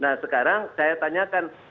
nah sekarang saya tanyakan